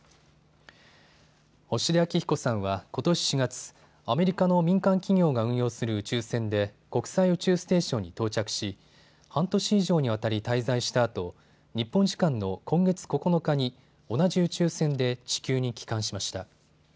星出彰彦さんはことし４月、アメリカの民間企業が運用する宇宙船で国際宇宙ステーションに到着し半年以上にわたり滞在したあと日本時間の今月９日に同じ宇宙船で地球に帰還しました。